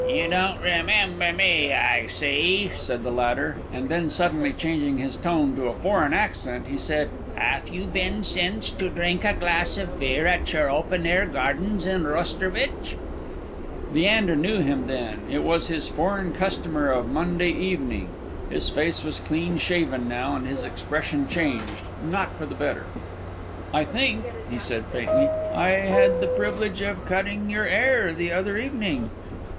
"You don't remember me, I see," said the latter; and then suddenly changing his tone to a foreign accent, he said: "Haf you been since to drink a glass of beer at your open air gardens at Rosherwich?" Leander knew him then. It was his foreign customer of Monday evening. His face was clean shaven now, and his expression changed not for the better. "I think," he said, faintly, "I had the privilege of cutting your 'air the other evening."